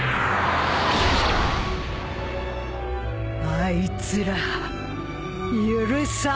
あいつら許さん